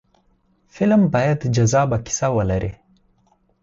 فلم باید جذابه کیسه ولري